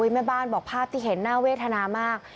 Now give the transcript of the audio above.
แม่บ้านบอกภาพที่เห็นน่าเวทนามาก